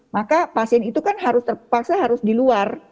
maka pasien itu kan harus terpaksa harus di luar